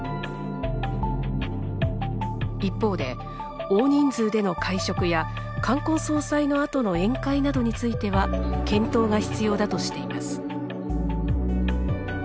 一方で、大人数での会食や冠婚葬祭のあとの宴会などについては検討が必要だとしています。